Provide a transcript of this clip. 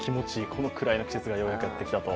これぐらいの季節がようやくやってきたと。